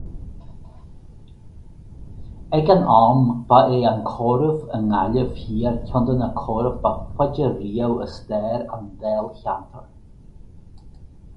Ag an am, ba é an comhaireamh i nGaillimh Thiar ceann de na comhairimh ba faide riamh i stair an Dáilcheantair.